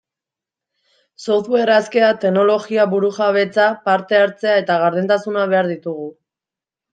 Software askea, teknologia burujabetza, parte-hartzea eta gardentasuna behar ditugu.